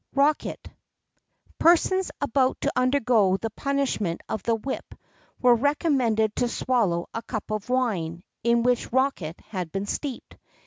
BOSC. ROCKET. Persons about to undergo the punishment of the whip were recommended to swallow a cup of wine, in which rocket had been steeped.